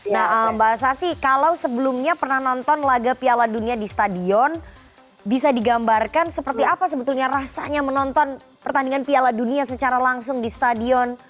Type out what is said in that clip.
nah mbak sasi kalau sebelumnya pernah nonton laga piala dunia di stadion bisa digambarkan seperti apa sebetulnya rasanya menonton pertandingan piala dunia secara langsung di stadion